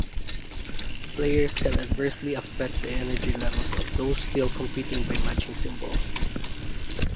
Players can adversely affect the energy levels of those still competing by matching symbols.